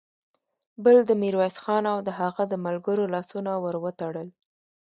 بل د ميرويس خان او د هغه د ملګرو لاسونه ور وتړل.